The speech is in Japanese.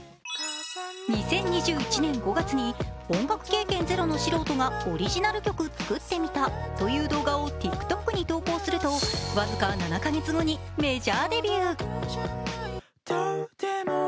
２０２１年５月に「音楽経験０の素人がオリジナル曲作ってみた」という動画をＴｉｋＴｏｋに投稿すると、僅か７か月後にメジャーデビュー。